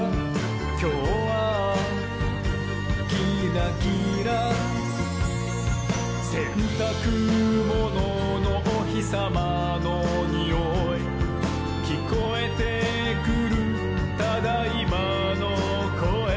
「きょうはキラキラ」「せんたくもののおひさまのにおい」「きこえてくる『ただいま』のこえ」